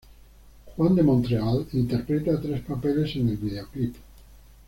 Juan de Montreal interpreta tres papeles en el videoclip.